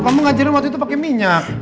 kamu ngajarin waktu itu pakai minyak